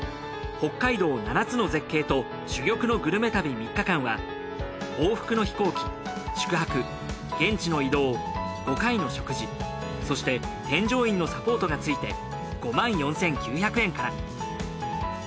北海道７つの絶景と珠玉のグルメ旅３日間は往復の飛行機宿泊現地の移動５回の食事そして添乗員のサポートが付いて５４，９００円から。